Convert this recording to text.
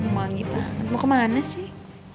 mangi banget mau kemana sih